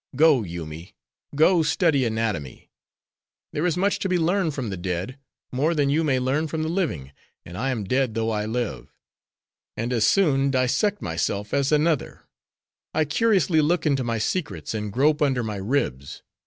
Go, Yoomy: go study anatomy: there is much to be learned from the dead, more than you may learn from the living and I am dead though I live; and as soon dissect myself as another; I curiously look into my secrets: and grope under my ribs.